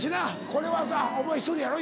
これはお前１人やろ？